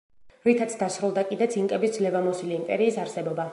რითაც დასრულდა კიდეც ინკების ძლევამოსილი იმპერიის არსებობა.